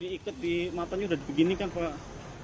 diikut di matanya udah begini kan pak